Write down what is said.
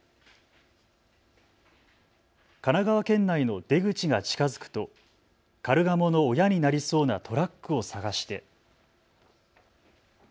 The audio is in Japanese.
神奈川県内の出口が近づくとカルガモの親になりそうなトラックを探して。